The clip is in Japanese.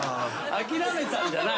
諦めたんじゃない？